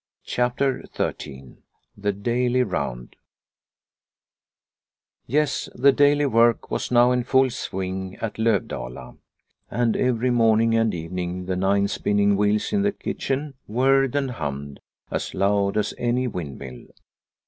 CHAPTER XIII THE DAILY ROUND YES, the daily work was now in full swing at Lovdala, and every morning and evening the nine spinning wheels in the kitchen whirred and hummed as loud as any windmill.